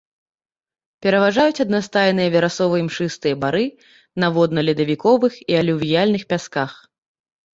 Пераважаюць аднастайныя верасова-імшыстыя бары на водна-ледавіковых і алювіяльных пясках.